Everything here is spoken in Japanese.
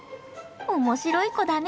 面白い子だね。